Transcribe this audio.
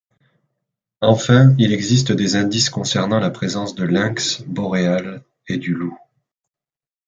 Enfin, il existe des indices concernant la présence de lynx boréal et du loup.